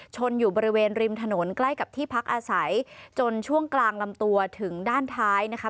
ชนอยู่บริเวณริมถนนใกล้กับที่พักอาศัยจนช่วงกลางลำตัวถึงด้านท้ายนะคะ